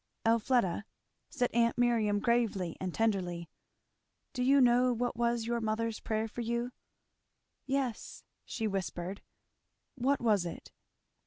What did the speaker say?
"Elfleda," said aunt Miriam gravely and tenderly, "do you know what was your mother's prayer for you?" "Yes," she whispered. "What was it?"